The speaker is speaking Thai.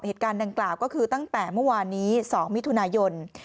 เหตุการณ์ดังกล่าวก็คือตั้งแต่เมื่อวานนี้๒มิถุนายน